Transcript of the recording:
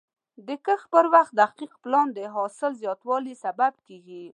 د کښت پر وخت دقیق پلان د حاصل زیاتوالي سبب کېږي.